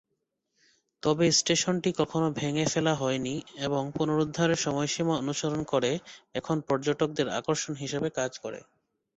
তবে স্টেশনটি কখনও ভেঙে ফেলা হয়নি, এবং পুনরুদ্ধারের সময়সীমা অনুসরণ করে এখন পর্যটকদের আকর্ষণ হিসাবে কাজ করে।